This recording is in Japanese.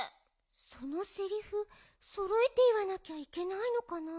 そのセリフそろえていわなきゃいけないのかな。